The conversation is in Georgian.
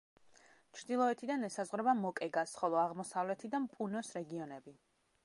ჩრდილოეთიდან ესაზღვრება მოკეგას, ხოლო აღმოსავლეთიდან პუნოს რეგიონები.